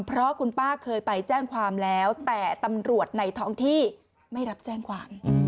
เพราะคุณป้าเคยไปแจ้งความแล้วแต่ตำรวจในท้องที่ไม่รับแจ้งความ